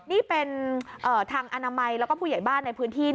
นี่เป็นทางอนามัยแล้วก็ผู้ใหญ่บ้านในพื้นที่